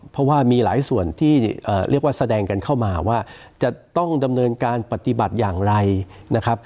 เพราะว่ามีหลายส่วนที่เรียกว่าแสดงกันเข้ามาว่าจะต้องดำเนินการปฏิบัติอย่างไรนะครับ